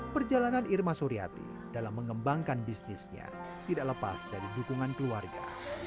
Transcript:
perjalanan irma suryati dalam mengembangkan bisnisnya tidak lepas dari dukungan keluarga